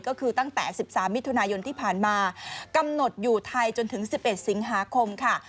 ก็คือตั้งแต่๑๓มิถุนายนที่ผ่านมากำหนดอยู่ไทยจนถึง๑๑สิงหาคมค่ะ